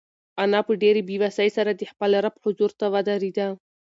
انا په ډېرې بېوسۍ سره د خپل رب حضور ته ودرېده.